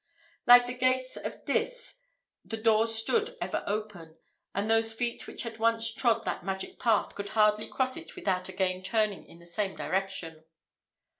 Like the gates of Dis, the doors stood ever open, and those feet which had once trod that magic path could hardly cross it without again turning in the same direction.